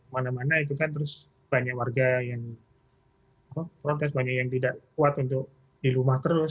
mana mana itu kan terus banyak warga yang protes banyak yang tidak kuat untuk di rumah terus